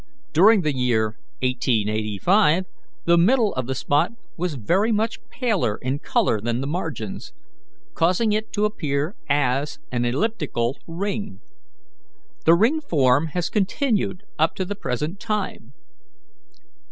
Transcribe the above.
During the year 1885 the middle of the spot was very much paler in colour than the margins, causing it to appear as an elliptical ring. The ring form has continued up to the present time.